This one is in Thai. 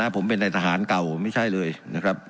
ผมเป็นในทหารเก่าไม่ใช่เลยนะครับ